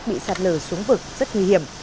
bị sạt lở xuống vực rất nguy hiểm